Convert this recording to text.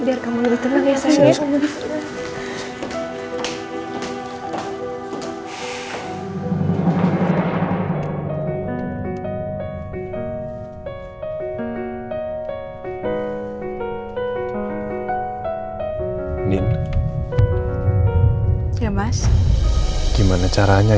biar kamu lebih tenang ya sayang